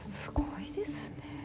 すごいですね。